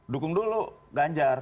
dukung dulu ganjar